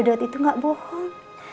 ustazah nurul juga berbohong